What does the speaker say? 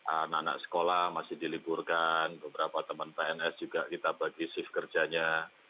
anak anak sekolah masih diliburkan beberapa teman pns juga kita bagi shift kerjanya